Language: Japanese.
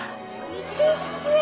ちっちゃい！